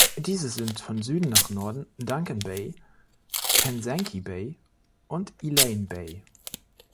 Diese sind von Süden nach Norden: Duncan Bay, Penzance Bay und Elaine Bay.